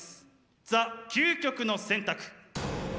ザ・究極の選択！